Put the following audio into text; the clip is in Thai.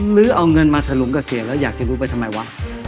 หรือเอาเงินมาถลุงเกษียณแล้วอยากจะรู้ไปทำไมวะ